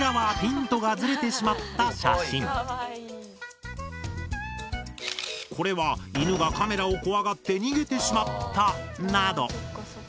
こちらはこれは犬がカメラを怖がって逃げてしまったなど。